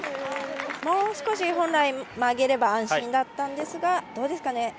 もう少し本来曲げれば安心だったんですがどうですかね。